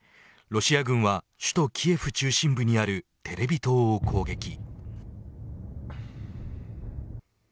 ロシア軍は首都キエフ中心部にあるテレビ塔を攻撃。